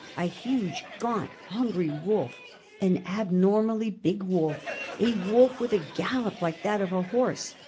A huge, gaunt, hungry wolf! an abnormally big wolf! a wolf with a gallop like that of a horse!